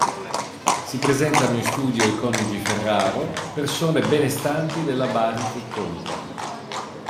Si presentano in studio i coniugi Ferraro, persone benestanti della Bari che "conta".